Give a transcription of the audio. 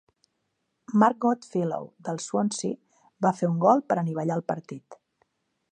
Marc Goodfellow, del Swansea, va fer un gol per anivellar el partit.